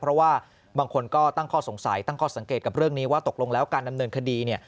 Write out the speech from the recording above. เพราะว่าบางคนก็ตั้งข้อสงสัยตั้งข้อสังเกตกับเรื่องนี้ว่าตกลงแล้วการดำเนินคดีเนี่ย